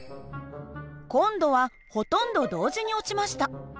今度はほとんど同時に落ちました。